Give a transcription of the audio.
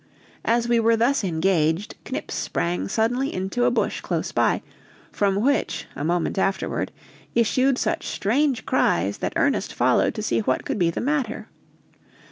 As we were thus engaged, Knips sprang suddenly into a bush close by, from which, a moment afterward, issued such strange cries that Ernest followed to see what could be the matter.